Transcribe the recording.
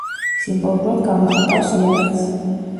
სიმბოლურად გამოხატავს იარაღს.